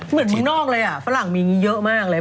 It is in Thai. เหมือนขึ้นนอกเลยอะฝรั่งมีงานเยอะมากเลย